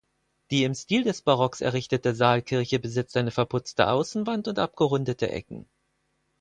Die im Stil des Barocks errichtete Saalkirche besitzt eine verputzte Außenwand und abgerundete Ecken.